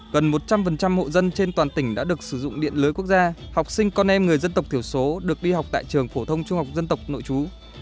gần một trăm linh hộ dân trên toàn tỉnh đã được sử dụng điện lưới quốc gia học sinh con em người dân tộc thiểu số được đi học tại trường phổ thông trung học dân tộc nội chú